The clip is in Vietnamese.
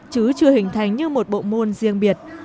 chứ chưa hình thành như một bộ môn riêng biệt